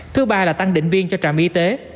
thứ ba là tăng định viên cho trạm y tế